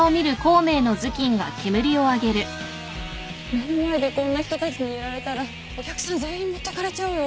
目の前でこんな人たちにやられたらお客さん全員持ってかれちゃうよ。